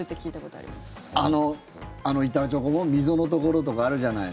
あの板チョコの溝のところとかあるじゃないの。